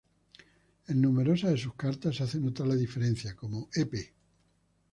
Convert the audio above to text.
En numerosas de sus cartas se hace notar la diferencia, como: Ep.